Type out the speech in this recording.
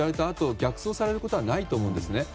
あと逆送されることはないと思うんです。